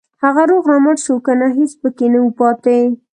هغه روغ رمټ شو کنه هېڅ پکې نه وو پاتې.